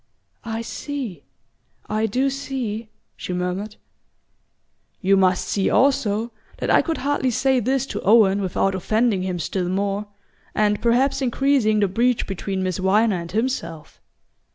"I see I do see," she murmured. "You must see, also, that I could hardly say this to Owen without offending him still more, and perhaps increasing the breach between Miss Viner and himself.